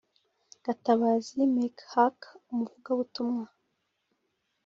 Gatabazi Mechack umuvugabutumwa